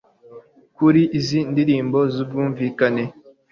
kuri izi ndirimbo zubwumvikane